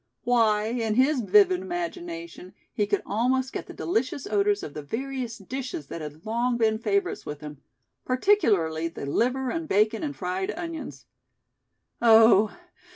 Why, in his vivid imagination he could almost get the delicious odors of the various dishes that had long been favorites with him; particularly the liver and bacon and fried onions. Oh!